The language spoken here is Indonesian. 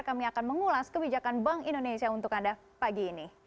kami akan mengulas kebijakan bank indonesia untuk anda pagi ini